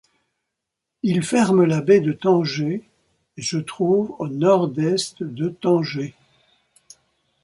Il ferme la baie de Tanger et se trouve à au nord-est de Tanger.